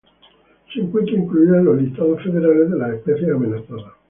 Se encuentra incluida en los listados federales de las especies amenazadas.